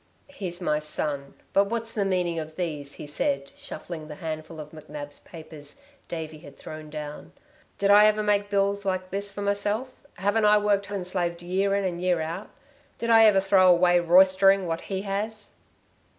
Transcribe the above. "He's my son. But what's the meaning of these?" he said, shuffling the handful of McNab's papers Davey had thrown down. "Did I ever make bills like this for myself? Haven't I worked and slaved year in and year out. Did I ever throw away roistering what he has?"